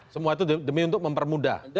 semua itu demi untuk mempermudah